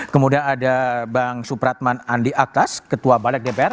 kemudian ada bang supratman andi akas ketua balik dpr